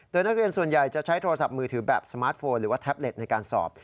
โดยนักเรียนส่วนใหญ่จะใช้โทรศัพท์มือถือแบบสมาร์ทโฟนหรือว่าแท็บเล็ตในการสอบ